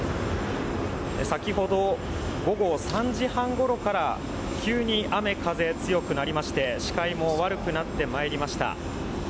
先ほど午後３時半ごろから急に雨風強くなりまして、視界も悪くなってまいりました。